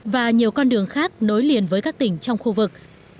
và nhiều con đường khác nối liền với các tỉnh trong khu vực